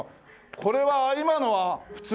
これは今のは普通？